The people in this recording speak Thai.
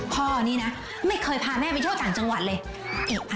พ่อนี่นะไม่เคยพาแม่ไปเที่ยวต่างจังหวัดเลย